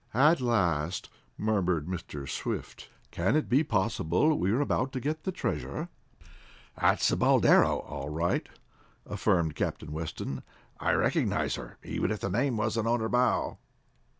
"At last," murmured Mr. Swift. "Can it be possible we are about to get the treasure?" "That's the Boldero, all right," affirmed Captain Weston. "I recognize her, even if the name wasn't on her bow.